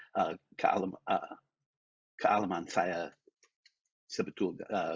sebenarnya karena saya sudah tua